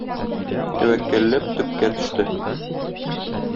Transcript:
Тәвәккәлләп төпкә төште.